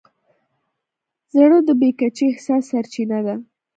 زړه د بې کچې احساس سرچینه ده.